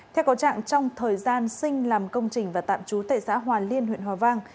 theo có trạng trong thời gian sinh làm công trình và tạm trú tại xã hòa liên huyện hòa vang